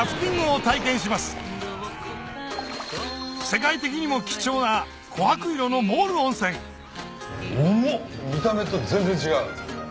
世界的にも貴重な琥珀色のモール温泉重っ見た目と全然違う。